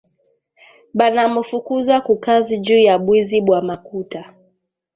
Bana mu fukuza ku kazi juya bwizi bwa makuta